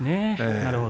なるほど。